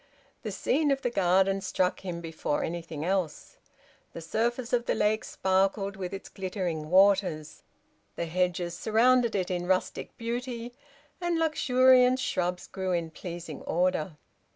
The scene of the garden struck him before anything else. The surface of the lake sparkled with its glittering waters. The hedges surrounded it in rustic beauty, and luxuriant shrubs grew in pleasing order.